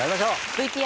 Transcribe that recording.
ＶＴＲ。